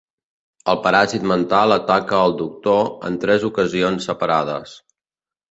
El paràsit mental ataca al Doctor en tres ocasions separades.